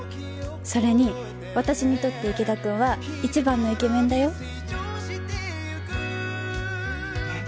それに私にとって池田くんは一番のイケメンだよ。